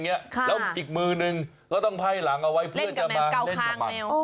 แล้วอีกมือนึงก็ต้องไพ่หลังเอาไว้เพื่อจะมาเล่นกับมัน